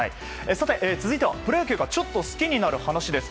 続いてはプロ野球がちょっと好きになる話です。